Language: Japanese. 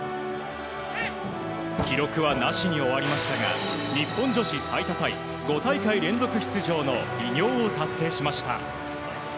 記録はなしに終わりましたが日本女子最多タイ５大会連続出場の偉業を達成しました。